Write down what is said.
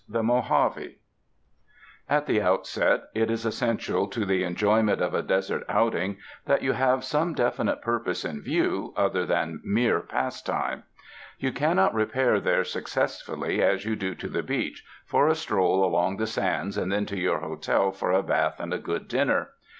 The Mojave At the outset, it is essential to the enjoyment of a desert outing that you have some definite purpose in view, other than mere pastime. You 3 UNDER THE SKY IN CALIFORNIA cannot repair there successfully as you do to the beach, for a stroll along the sands and then to your hotel for a bath and a good dinner.